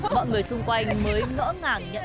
mọi người xung quanh mới ngỡ ngàng nhận ra